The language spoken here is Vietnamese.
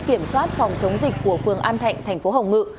kiểm soát phòng chống dịch của phường an thạnh tp hcm